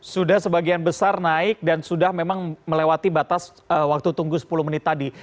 sudah sebagian besar naik dan sudah memang melewati batas waktu tunggu sepuluh menit tadi